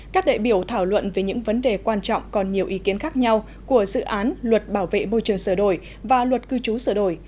các đại biểu thảo luận về những vấn đề quan trọng còn nhiều ý kiến khác nhau của dự án luật bảo vệ môi trường sửa đổi và luật cư trú sửa đổi